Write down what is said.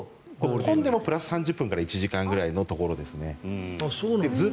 混んでもプラス３０分から１時間くらいですね。